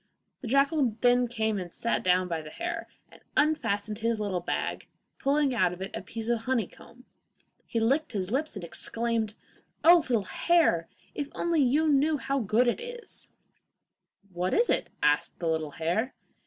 The jackal then came and sat down by the little hare, and unfastened his little bag, pulling out of it a piece of honeycomb. He licked his lips and exclaimed, 'Oh, little hare, if you only knew how good it is!' 'What is it?' asked the little hare.